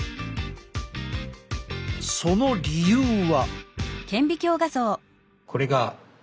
その理由は。